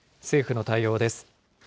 政府の対応です。